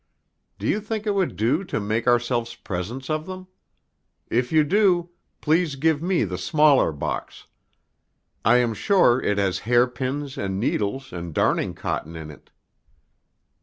Do you think it would do to make ourselves presents of them? If you do, please give me the smaller box; I am sure it has hair pins and needles and darning cotton in it."